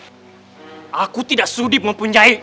valentina ayah pakai kata kata itu